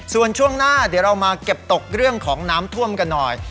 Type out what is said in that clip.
ส่วนช่วงหน้าเดี๋ยวเรามาเก็บตกเรื่องของน้ำท่วมกันหน่อย